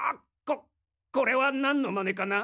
ここれはなんのマネかな？